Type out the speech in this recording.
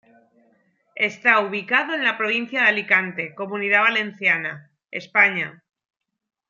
Está ubicado en la provincia de Alicante, comunidad Valenciana, España.